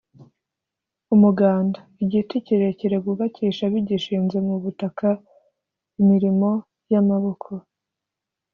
umuganda: igiti kirekire bubakisha bigishinze mu butaka; imirimo y’amaboko